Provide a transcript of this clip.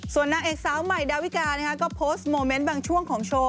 ส่วนนางเอกสาวใหม่ดาวิกาก็โพสต์โมเมนต์บางช่วงของโชว์